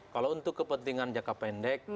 kalau untuk kepentingan jangka pendek